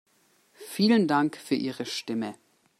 Vielen Dank für Ihre Stimme.